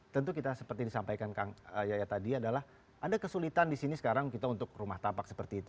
tentu kita seperti disampaikan kang yaya tadi adalah ada kesulitan di sini sekarang kita untuk rumah tapak seperti itu